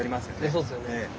そうっすよね。